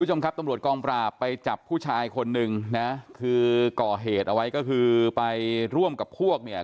คุณผู้ชมครับตำรวจกองปราบไปจับผู้ชายคนนึงนะคือก่อเหตุเอาไว้ก็คือไปร่วมกับพวกเนี่ย